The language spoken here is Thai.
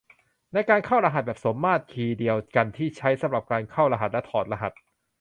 ในการเข้ารหัสแบบสมมาตรคีย์เดียวกันนี้ใช้สำหรับการเข้ารหัสและถอดรหัส